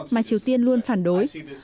mà triều tiên luôn phản đối